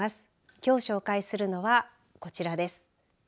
きょう紹介するのはこちらです。